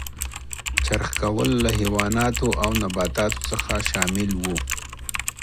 چرخ کول له حیواناتو او نباتاتو څخه شامل و.